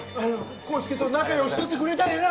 康介と仲ようしとってくれたんやな？